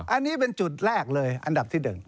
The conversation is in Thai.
อันนี้เป็นจุดแรกเลยอันดับที่๑